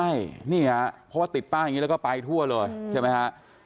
ใช่นี่ฮะเพราะว่าติดป้ายอย่างนี้แล้วก็ไปทั่วเลยใช่ไหมฮะ